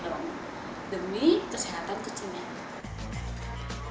tidak boleh digendong gendong demi kesehatan kucingnya